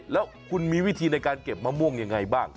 แล้วคุณมีวิธีในการเก็บมะม่วงยังไงบ้าง